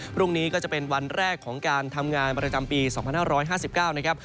พรุ่งนี้ก็จะเป็นวันแรกของการทำงานประจำปี๒๕๕๙นะครับ